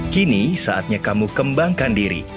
kini saatnya kamu kembangkan diri